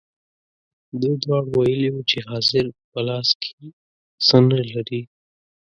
دوی دواړو ویلي وو چې حاضر په لاس کې څه نه لري.